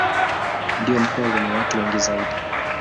Ndio mkoa wenye watu wengi zaidi.